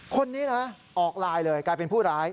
คนนี้นะออกไลน์เลยกลายเป็นผู้ร้าย